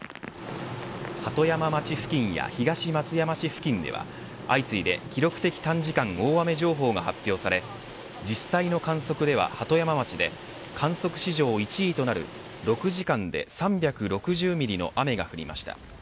鳩山町付近や東松山市付近では相次いで記録的短時間大雨情報が発表され実際の観測では鳩山町で観測史上１位となる６時間で３６０ミリの雨が降りました。